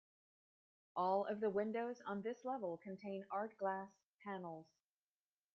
All of the windows on this level contain art glass panels.